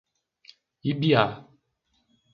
Ibiá